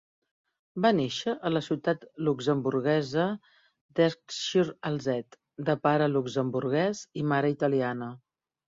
Va néixer a la ciutat luxemburguesa d'Esch-sur-Alzette, de pare luxemburguès i mare italiana.